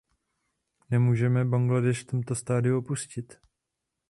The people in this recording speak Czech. Nemůžeme Bangladéš v tomto stádiu opustit.